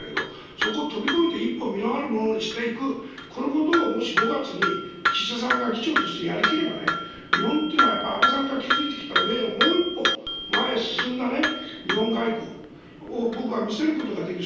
そこを飛び越えて実のあるものにしていくそこを５月に岸田さんが議長としてやり遂げれば日本っていうのは安倍さんが築いてきた上をもう一歩、前に進んだ日本外交を僕は見せることができる。